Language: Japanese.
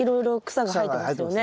草が生えてますね。